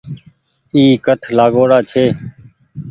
اي ڪٺ لآگآئو ڙآ ڇي ۔